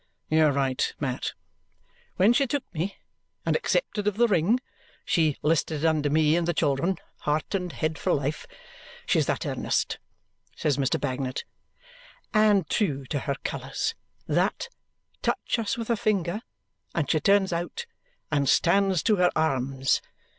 "You are right, Mat!" "When she took me and accepted of the ring she 'listed under me and the children heart and head, for life. She's that earnest," says Mr. Bagnet, "and true to her colours that, touch us with a finger and she turns out and stands to her arms.